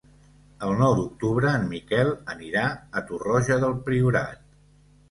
El nou d'octubre en Miquel anirà a Torroja del Priorat.